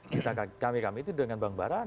kita kami kami itu dengan bank barat